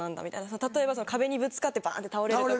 例えば壁にぶつかってバンって倒れるとか